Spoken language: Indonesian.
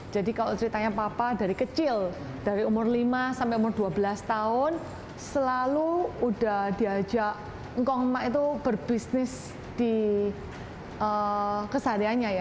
jadi kalau ceritanya papa dari kecil dari umur lima sampai umur dua belas tahun selalu udah diajak ngkong emak itu berbisnis di kesehariannya ya